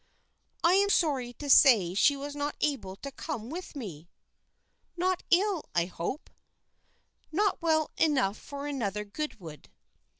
"I am sorry to say she was not able to come with me." "Not ill, I hope?" "Not well enough for another Goodwood."